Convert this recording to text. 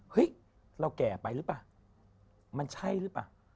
เห้ยเราแก่ไปหรือป่ะมันใช่หรือป่ะ